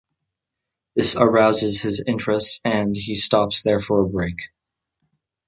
This arouses his interest and he stops there for a break.